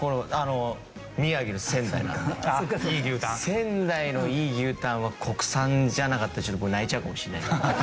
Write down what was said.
仙台のいい牛タンは国産じゃなかったら僕泣いちゃうかもしれない。